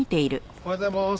おはようございます。